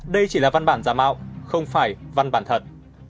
đây chỉ là văn bản giả mạo không phải văn bản thật